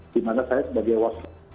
dimana saya sebagai waslat